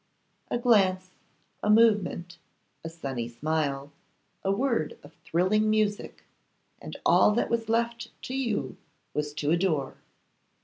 A glance, a movement, a sunny smile, a word of thrilling music, and all that was left to you was to adore.